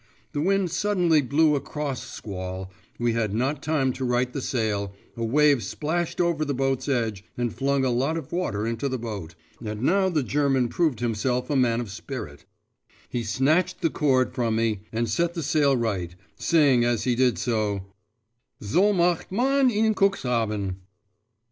The wind suddenly blew a cross squall, we had not time to right the sail, a wave splashed over the boat's edge and flung a lot of water into the boat. And now the German proved himself a man of spirit; he snatched the cord from me, and set the sail right, saying as he did so 'So macht man ins Kuxhaven!